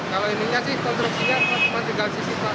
kalau ininya sih kontruksinya cuma tinggal sisi pagar